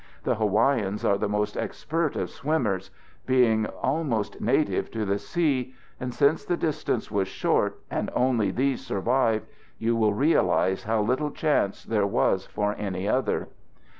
The Hawaiians are the most expert of swimmers, being almost native to the sea; and since the distance was short, and only these survived, you will realize how little chance there was for any other.